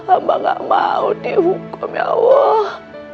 hamba gak mau dihukum ya allah